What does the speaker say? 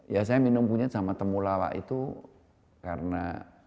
ya saya minum kunyit sama temulawak itu karena